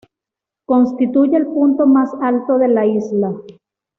Constituye el punto más alto de la isla.